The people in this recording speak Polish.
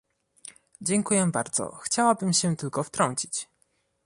Dziękuję bardzo, chciałabym się tylko wtrącić